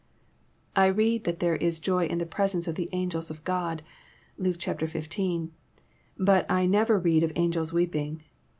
I read that there is "joy in the presence of the angels of God," (Luke xv.,) but I never read of angels weeping.